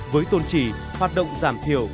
với tôn trị hoạt động giảm thiểu